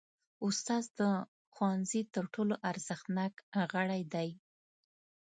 استاد د ښوونځي تر ټولو ارزښتناک غړی دی.